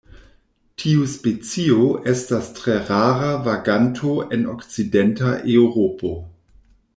Tiu specio estas tre rara vaganto en okcidenta Eŭropo.